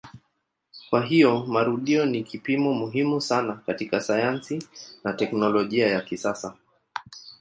Kwa hiyo marudio ni kipimo muhimu sana katika sayansi na teknolojia ya kisasa.